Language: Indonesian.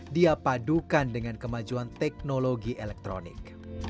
dia padukan dengan kemajuan teknologi elektronik